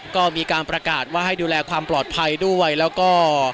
ก็มีการประกาศว่าให้ดูแลความปลอดภัยด้วยแล้วก็